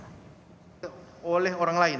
sebesar empat puluh tiga juta rupiah per bulan